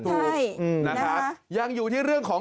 ต่างอยู่เรื่องของ